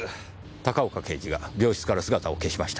高岡刑事が病室から姿を消しました。